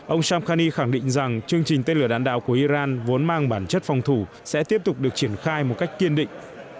ông sam khani khẳng định rằng chương trình tên lửa đạn đạo của iran vốn mang bản chất phòng thủ sẽ tiếp tục được triển khai một cách kiên định